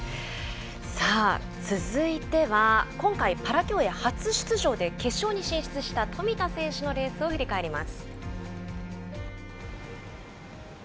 続いては今回、パラ競泳初出場で決勝に進出した富田選手のレースを振り返ります。